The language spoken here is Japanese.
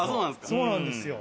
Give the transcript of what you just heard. そうなんですよ。